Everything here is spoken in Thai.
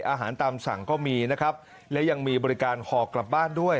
อาหารตามสั่งก็มีนะครับและยังมีบริการห่อกลับบ้านด้วย